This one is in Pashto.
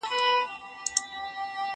دا اوبه له هغو تازه دي!